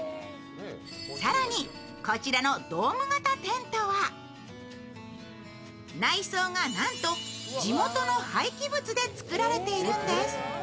更に、こちらのドーム型テントは内装がなんと、地元の廃棄物で作られているんです。